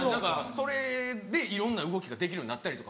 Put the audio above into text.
それでいろんな動きができるようになったりとか。